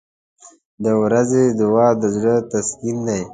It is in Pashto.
• د ورځې دعا د زړه تسکین دی.